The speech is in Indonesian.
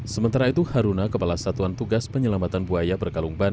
sementara itu haruna kepala satuan tugas penyelamatan buaya berkalung ban